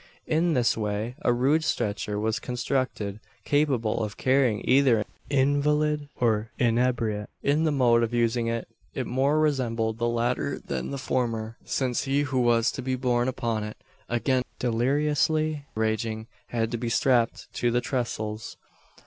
In this way a rude stretcher was constructed, capable of carrying either an invalid or an inebriate. In the mode of using it, it more resembled the latter than the former: since he who was to be borne upon it, again deliriously raging, had to be strapped to the trestles!